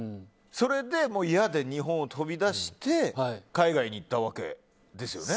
それで嫌で日本を飛び出して海外に行ったわけですよね。